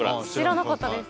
知らなかったです。